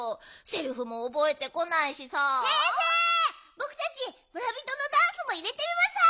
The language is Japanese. ぼくたちむらびとのダンスもいれてみました。